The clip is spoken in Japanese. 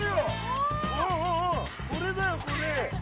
おおこれだよこれ！